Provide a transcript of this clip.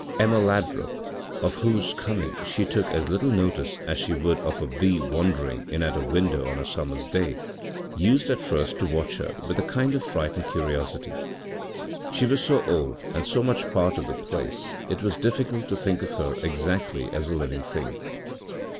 Emma Ladbruk, of whose coming she took as little notice as she would of a bee wandering in at a window on a summer's day, used at first to watch her with a kind of frightened curiosity. She was so old and so much a part of the place, it was difficult to think of her exactly as a living thing.